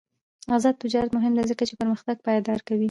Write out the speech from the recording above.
آزاد تجارت مهم دی ځکه چې پرمختګ پایداره کوي.